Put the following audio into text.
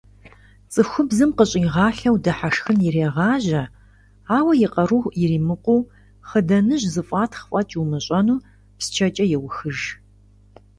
Цӏыхубзым къыщӏигъалъэу дыхьэшхын ирегъажьэ, ауэ, и къару иримыкъуу, хъыданэжь зэфӏатхъ фӏэкӏ умыщӏэну, псчэкӏэ еухыж.